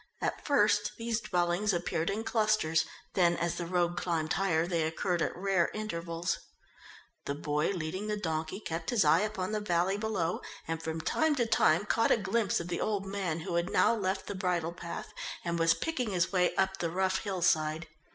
At first these dwellings appeared in clusters, then as the road climbed higher, they occurred at rare intervals. The boy leading the donkey kept his eye upon the valley below, and from time to time caught a glimpse of the old man who had now left the bridle path, and was picking his way up the rough hill side.